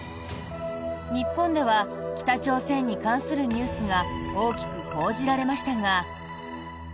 日本では北朝鮮に関するニュースが大きく報じられましたが。